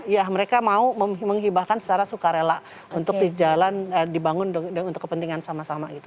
ya mereka mau menghibahkan secara sukarela untuk di jalan dibangun untuk kepentingan sama sama gitu